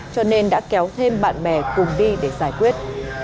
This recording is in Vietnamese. cho nên đã kéo thêm bạn bè cùng đi để giải quyết